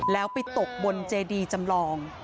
แล้วไปตกบนเจดีจำลอง